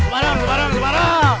sembarang sembarang sembarang